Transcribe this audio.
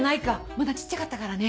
まだ小っちゃかったからね。